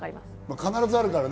必ずあるからね。